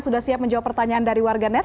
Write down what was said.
sudah siap menjawab pertanyaan dari warga net